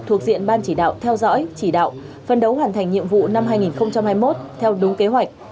thuộc diện ban chỉ đạo theo dõi chỉ đạo phân đấu hoàn thành nhiệm vụ năm hai nghìn hai mươi một theo đúng kế hoạch